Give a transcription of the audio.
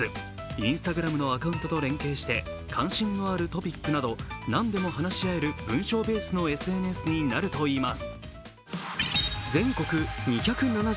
Ｉｎｓｔａｇｒａｍのアカウントと連携して関心のあるトピックなど何でも話し合える文章ベースのＳＮＳになるといいます。